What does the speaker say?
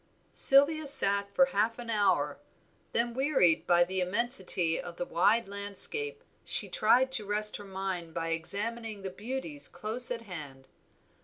Sylvia sat for half an hour, then wearied by the immensity of the wide landscape she tried to rest her mind by examining the beauties close at hand.